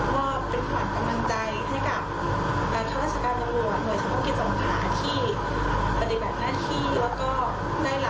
รู้สึกดีมีกำลังใจอย่างมากนะคะสำหรับกำลังใจในโลกโซเชียล